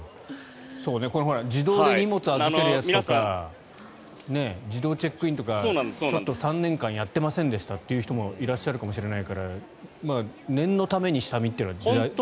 自動で荷物を預けるやつとか自動チェックインとか３年間やっていませんでしたという人もいらっしゃるかもしれないから念のために下見というのは大事かもしれません。